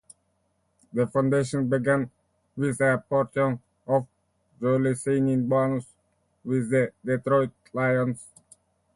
The foundation began with a portion of Joey's signing bonus with the Detroit Lions.